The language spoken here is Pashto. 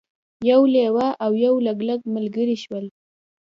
یو لیوه او یو لګلګ ملګري شول.